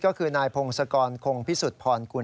ก็คือนายพงศกรคงพิสุทธิพรกุล